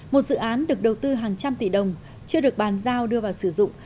một dự án được đầu tư hàng trăm tỷ đồng chưa được bàn giao đưa vào sử dụng